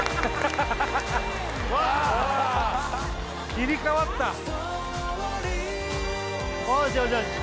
切り替わったああよしよしよし